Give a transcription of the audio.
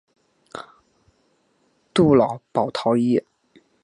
杜瑙保陶伊。